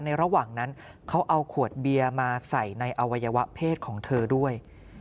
ระหว่างนั้นเขาเอาขวดเบียร์มาใส่ในอวัยวะเพศของเธอด้วย